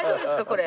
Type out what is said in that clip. これ。